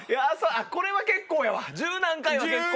これは結構やわ１０何回は結構。